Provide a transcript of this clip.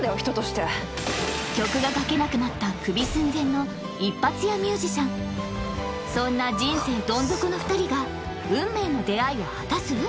人として曲が書けなくなったクビ寸前の一発屋ミュージシャンそんな人生どん底の２人が運命の出会いを果たす？